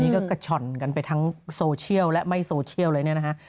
ก็กระช่อนไปทั้งโซเชียลและไม่โซเชียลเลยนะครับ